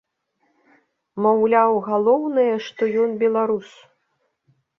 Маўляў, галоўнае, што ён беларус.